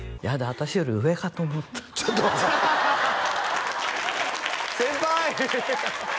私より上かと思ったちょっと先輩！